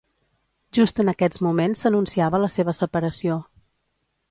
Just en aquests moments s'anunciava la seva separació.